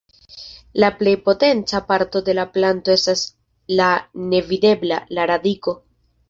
La plej potenca parto de la planto estas la nevidebla: la radiko.